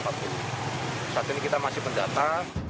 saat ini kita masih mendata